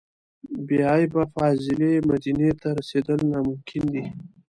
بې عیبه فاضلې مدینې ته رسېدل ناممکن دي.